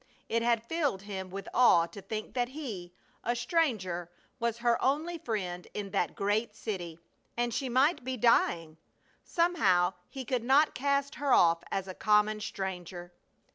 It had filled him with awe to think that he, a stranger, was her only friend in that great city, and she might be dying! Somehow he could not cast her off as a common stranger.